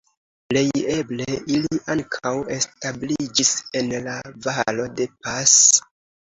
Plej eble, ili ankaŭ establiĝis en la Valo de Pas.